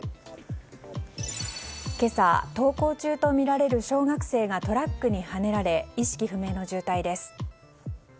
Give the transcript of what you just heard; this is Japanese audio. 今朝、登校中とみられる小学生がトラックにはねられ意識不明の重体です。